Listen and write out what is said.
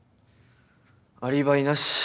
アリバイなし。